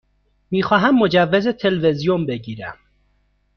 می خواهم مجوز تلویزیون بگیرم.